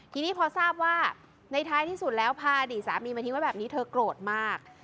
ทีนี้พอทราบว่าในท้ายที่สุดแล้วพาอดีตสามีมาทิ้งไว้แบบนี้เธอโกรธมาก